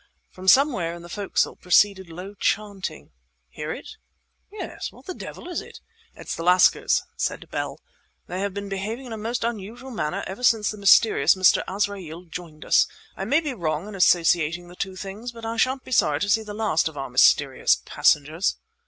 From somewhere in the fo'c'sle proceeded low chanting. "Hear it?" "Yes. What the devil is it?" "It's the lascars," said Bell. "They have been behaving in a most unusual manner ever since the mysterious Mr. Azraeel joined us. I may be wrong in associating the two things, but I shan't be sorry to see the last of our mysterious passengers."